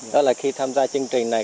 đó là khi tham gia chương trình này